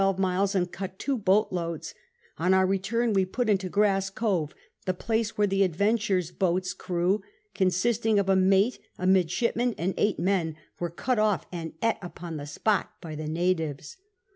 about 12 miles and cut two boat loads on our return we put into Grass Cove the place where the adventures boats crew (consisting of a mate a midshipman and 8 men) were cut off and eat upon the spot by the Natiyes.